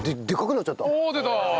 おお出た！